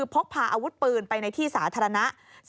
พกพาอาวุธปืนไปในที่สาธารณะ